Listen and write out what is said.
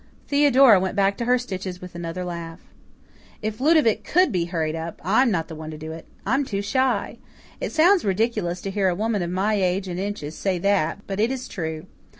Theodora went back to her stitches with another laugh. "If Ludovic could be hurried up, I'm not the one to do it. I'm too shy. It sounds ridiculous to hear a woman of my age and inches say that, but it is true.